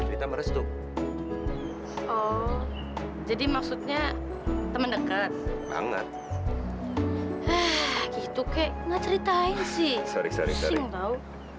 cerita merestu oh jadi maksudnya teman dekat banget gitu kek ngeceritain sih sorry sorry tau